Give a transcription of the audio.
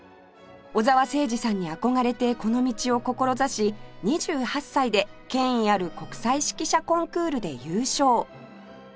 小澤征爾さんに憧れてこの道を志し２８歳で権威ある国際指揮者コンクールで優勝